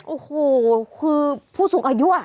โอ้โหคือผู้สูงอายุ